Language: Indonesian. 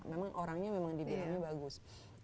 memang orangnya memang dibilangnya bagus